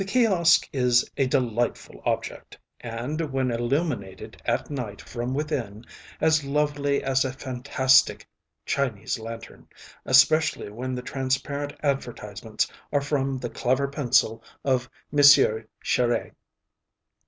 The kiosk is a delightful object, and, when illuminated at night from within, as lovely as a fantastic Chinese lantern, especially when the transparent advertisements are from the clever pencil of M. Cheret.